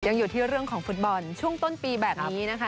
ยังอยู่ที่เรื่องของฟุตบอลช่วงต้นปีแบบนี้นะคะ